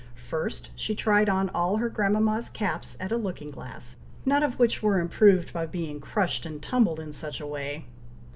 First, she tried on all her grandmama's caps at a looking glass, none of which were improved by being crushed and tumbled in such a way.